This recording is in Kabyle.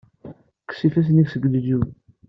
Kkes ifassen-ik seg leǧyub.